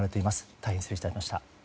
大変失礼いたしました。